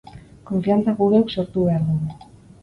Konfiantza guk geuk sortu behar dugu.